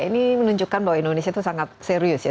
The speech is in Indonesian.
ini menunjukkan bahwa indonesia itu sangat serius ya